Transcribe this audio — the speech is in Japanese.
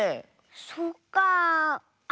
そっかあ。